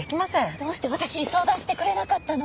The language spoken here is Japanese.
どうして私に相談してくれなかったの？